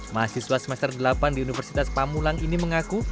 mahasiswa semester delapan di universitas pamulang ini mengaku